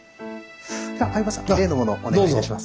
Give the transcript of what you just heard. じゃ相場さん例のものお願いいたします。